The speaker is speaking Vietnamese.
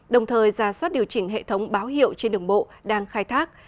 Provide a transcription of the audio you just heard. đồng thời ra soát điều chỉnh hệ thống báo hiệu trên đường bộ đang khai thác